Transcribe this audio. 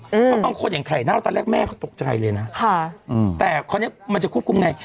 อืมเพราะว่าคนอย่างใครนะตอนแรกแม่เขาตกใจเลยนะค่ะอืมแต่คนนี้มันจะควบคุมไง